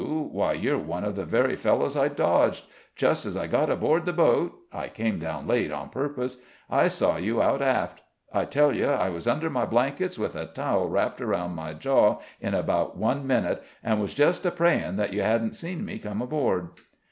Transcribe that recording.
why you're one of the very fellows I dodged! Just as I got aboard the boat I came down late, on purpose I saw you out aft. I tell you, I was under my blankets, with a towel wrapped around my jaw, in about one minute, and was just a praying that you hadn't seen me come aboard."